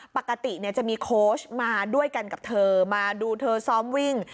ปกติจะมีโค้ชมาด้วยกันกับเธอมาดูเธอซ้อมวิ่ง